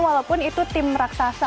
walaupun itu tim raksasa